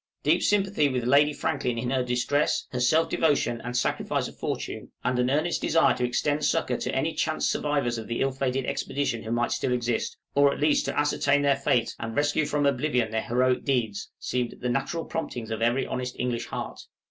Deep sympathy with Lady Franklin in her distress, her self devotion and sacrifice of fortune, and an earnest desire to extend succor to any chance survivors of the ill fated expedition who might still exist, or at least, to ascertain their fate, and rescue from oblivion their heroic deeds, seemed the natural promptings of every honest English heart.